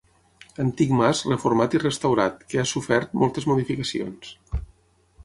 Antic mas reformat i restaurat, que ha sofert moltes modificacions.